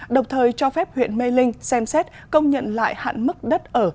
đồng thời cho phép huyện mê linh xem xét công nhận lại hạn mức đất ở